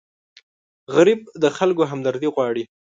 غریب د خلکو همدردي غواړي